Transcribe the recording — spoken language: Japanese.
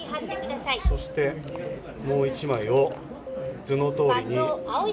そしてもう１枚を、図の通りに。